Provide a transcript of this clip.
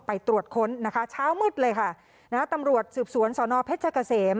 ไปตรวจค้นนะคะเช้ามืดเลยค่ะนะฮะตำรวจสืบสวนสอนอเพชรเกษม